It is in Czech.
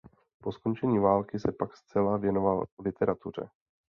Po skončení války se pak zcela věnoval literatuře.